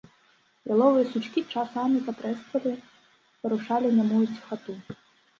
Яловыя сучкі часамі патрэсквалі, парушалі нямую ціхату.